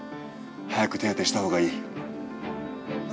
早く手当したほうがいい。